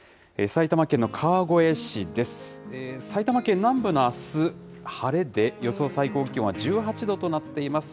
埼玉県南部のあす、晴れで、予想最高気温は１８度となっています。